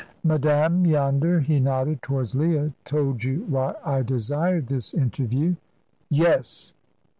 "Madame yonder" he nodded towards Leah "told you why I desired this interview." "Yes!"